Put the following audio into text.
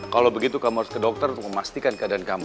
kalau begitu kamu harus ke dokter untuk memastikan keadaan kamu